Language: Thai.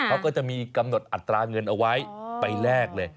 เขาก็จะมีกำหนดอัตราเงินเอาไว้ไปแลกเลย